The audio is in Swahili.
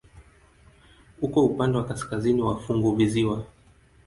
Uko upande wa kaskazini wa funguvisiwa.